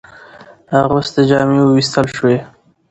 اغوستي جامې ووېستل شوې.